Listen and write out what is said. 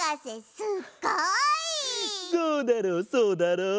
そうだろうそうだろう。